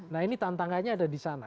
nah ini tantangannya ada disana